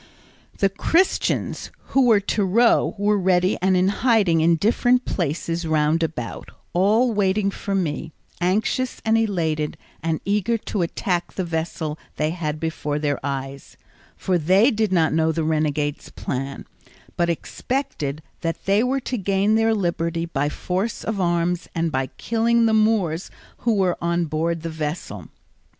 The Christians who were to row were ready and in hiding in different places round about, all waiting for me, anxious and elated, and eager to attack the vessel they had before their eyes; for they did not know the renegade's plan, but expected that they were to gain their liberty by force of arms and by killing the Moors who were on board the vessel.